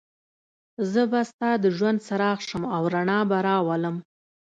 زه به ستا د ژوند څراغ شم او رڼا به راولم.